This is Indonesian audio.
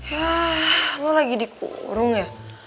yah lo lagi dikurung ya